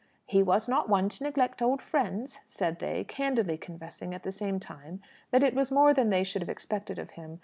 "He was not one to neglect old friends," said they, candidly confessing at the same time that it was more than they should have expected of him.